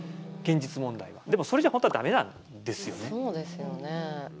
でも、それじゃ本当は、だめなんですよね。